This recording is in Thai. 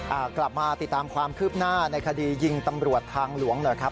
กลับมาติดตามความคืบหน้าในคดียิงตำรวจทางหลวงหน่อยครับ